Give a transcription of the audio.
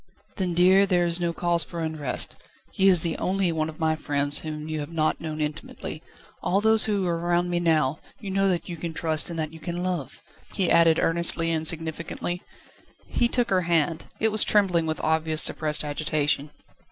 "Then, dear, there is no cause for unrest. He is the only one of my friends whom you have not known intimately. All those who are round me now, you know that you can trust and that you can love," he added earnestly and significantly. He took her hand; it was trembling with obvious suppressed agitation.